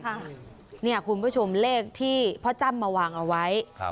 คุณผู้ชมเลขที่พ่อจ้ำมาวางเอาไว้